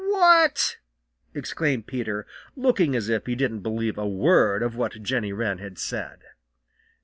"What?" exclaimed Peter, looking as if he didn't believe a word of what Jenny Wren had said.